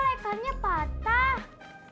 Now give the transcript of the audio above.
kok lekarnya patah